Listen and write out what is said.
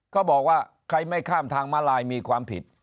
เขาบอกว่าใครไม่ข้ามทางมาลายมีความผิด